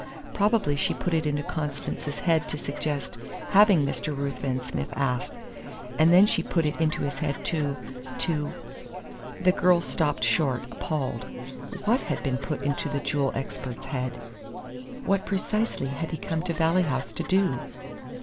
"Probably she put it into Constance's head to suggest having Mr. Ruthven Smith asked. And then she put it into his head to to " The girl stopped short, appalled. What had been put into the jewel expert's head? What precisely had he come to Valley House to do?